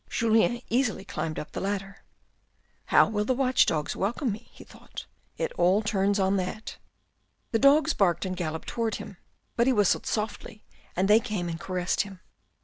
Julien easily climbed up the ladder. " How will the watch dogs welcome me," he thought. " It all turns on that." The dogs barked and galloped towards him, but he whistled softly and they came and caressed him.